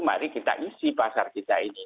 mari kita isi pasar kita ini